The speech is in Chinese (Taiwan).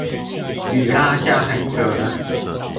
已拉下很久了